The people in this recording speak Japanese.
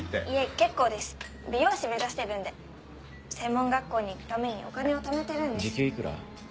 結構です美容師目指してるんで専門学校に行くためにお金をためてるんです